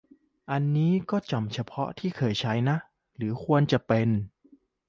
อันนี้ก็จำเฉพาะที่เคยใช้นะ หรือควรจะเป็น